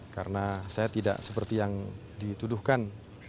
karena saya tidak seperti yang dituduhkan